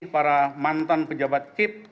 para mantan pejabat kip